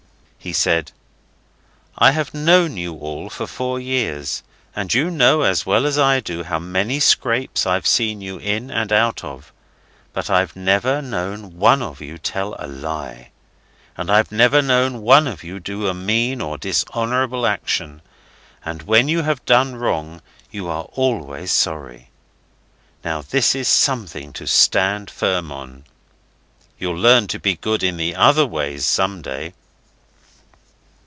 He said, 'I have known you all for four years and you know as well as I do how many scrapes I've seen you in and out of but I've never known one of you tell a lie, and I've never known one of you do a mean or dishonourable action. And when you have done wrong you are always sorry. Now this is something to stand firm on. You'll learn to be good in the other ways some day.